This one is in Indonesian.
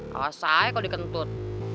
kasian kok dikentut